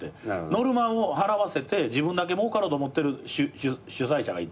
ノルマを払わせて自分だけもうかろうと思ってる主宰者がいて。